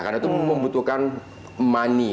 karena itu membutuhkan money